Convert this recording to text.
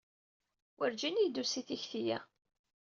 Werǧin i yi-d-tusi tikti-ya.